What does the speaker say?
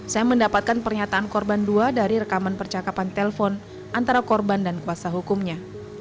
saya mendapatkan pernyataan korban dua dari rekaman percakapan telpon antara korban dan kuasa hukumnya